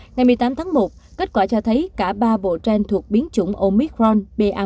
ngày một mươi tám tháng một kết quả cho thấy cả ba bộ gen thuộc biến chủng omicron